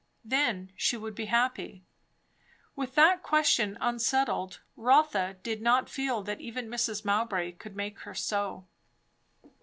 Then she would be happy. With that question unsettled, Rotha did not feel that even Mrs. Mowbray could make her so.